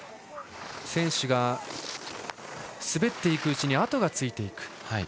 選手が滑っていくうちに跡がついていくと。